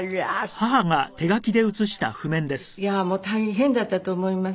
いやもう大変だったと思います。